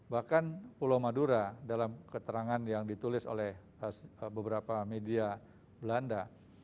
bahkan pulau madura dalam keterangan yang ditulis oleh beberapa media belanda